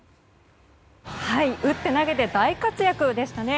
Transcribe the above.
打って投げて大活躍でしたね。